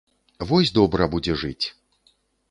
Вось добра будзе жыць!